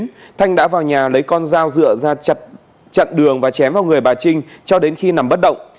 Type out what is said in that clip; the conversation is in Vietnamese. sau đó thanh đã vào nhà lấy con dao dựa ra chặt đường và chém vào người bà trinh cho đến khi nằm bất động